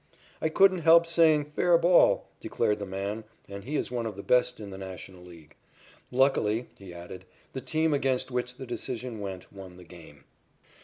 "I couldn't help saying 'Fair ball,'" declared this man, and he is one of the best in the National League. "Luckily," he added, "the team against which the decision went won the game."